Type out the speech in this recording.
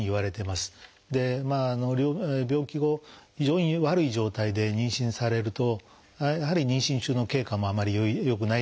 まあ病気後非常に悪い状態で妊娠されるとやはり妊娠中の経過もあまり良くないだろうと思うし。